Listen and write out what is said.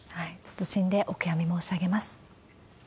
謹んでお悔やみ申し上げます。